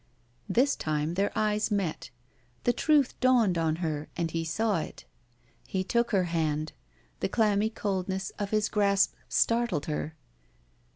This time their eyes met. The truth dawned on her and he saw it. He took her hand. The clammy coldness of his grasp startled her.